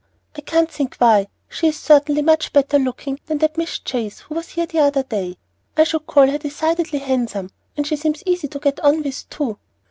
"I can't think why; she is certainly much better looking than that Miss Chase who was here the other day. I should call her decidedly handsome; and she seems easy to get on with too."